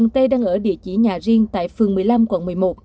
tây đang ở địa chỉ nhà riêng tại phường một mươi năm quận một mươi một